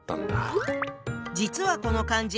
実はこの漢字